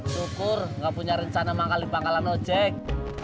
syukur gak punya rencana manggal di pangkalan ojek